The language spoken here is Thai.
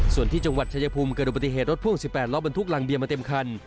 ส่วนที่จังหวัดชายภูมิเกิดอุบัติเหตุรถพ่วง๑๘ล้อบรรทุกรังเบียมาเต็มคัน